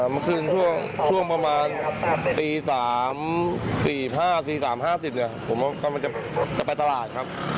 เมื่อคืนช่วงประมาณตี๓๔๕ตี๓๕๐ผมกำลังจะไปตลาดครับ